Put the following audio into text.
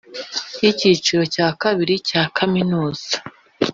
y icyiciro cya kabiri cya kaminuza